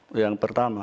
hai yang pertama